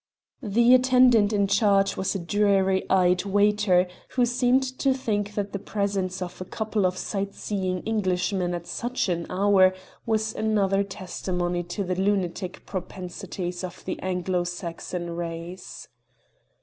The attendant in charge was a dreary eyed waiter, who seemed to think that the presence of a couple of sight seeing Englishmen at such an hour was another testimony to the lunatic propensities of the Anglo Saxon race.